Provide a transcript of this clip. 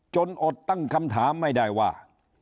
อดตั้งคำถามไม่ได้ว่า